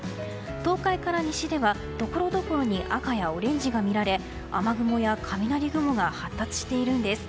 東海から西では、ところどころに赤やオレンジが見られ雨雲や雷雲が発達しているんです。